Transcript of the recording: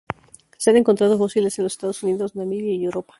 Se han encontrado fósiles en los Estados Unidos, Namibia y Europa.